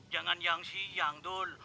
jangan siang dul